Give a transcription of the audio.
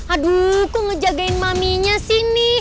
aduh kok ngejagain maminya sini